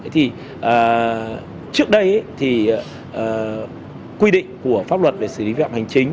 trước đây thì quy định của pháp luật về xử lý viện hành chính